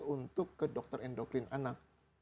untuk ke dokter endokrin anak